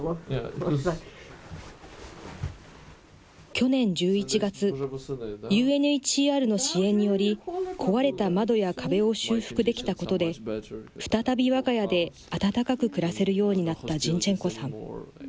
去年１１月、ＵＮＨＣＲの支援により、壊れた窓や壁を修復できたことで、再びわが家で暖かく暮らせるようになったジンチェンコさん。